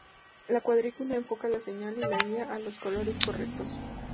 La cuadrícula enfoca la señal y la guía a los colores correctos.